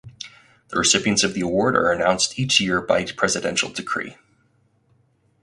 The recipients of the award are announced each year by presidential decree.